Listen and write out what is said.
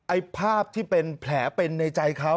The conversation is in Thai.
ไอ้ภาพที่เป็นแผลเป็นในใจเขา